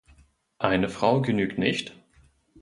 Eine Frau genügt nicht?